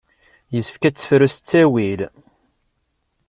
Yessefk ad tefru s talwit.